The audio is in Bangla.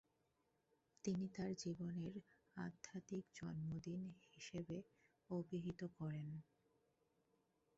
তিনি তাঁর জীবনের ‘আধ্যাত্মিক জন্মদিন’ হিসেবে অবিহিত করেন।